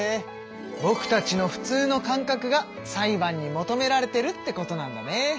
ぼくたちのふつうの感覚が裁判に求められてるってことなんだね。